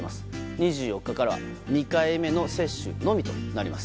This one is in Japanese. ２４日からは２回目の接種のみとなります。